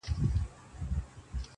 ږغ مي ټول کلی مالت سي اورېدلای-